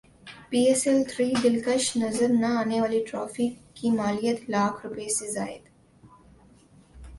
پی S L three دلکش نظر نے والی ٹرافی کی مالیت لاکھ روپے سے زائد